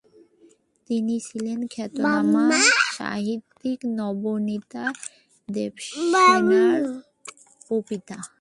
তিনি ছিলেন খ্যাতনামা সাহিত্যিক নবনীতা দেবসেনেরও পিতা।